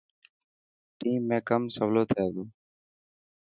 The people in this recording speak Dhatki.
ٽيم ۾ ڪم سولو ٿي تو.